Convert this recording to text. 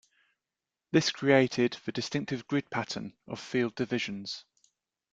This created the distinctive grid pattern of field divisions.